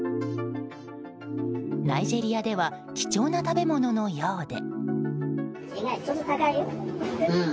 ナイジェリアでは貴重な食べ物のようで。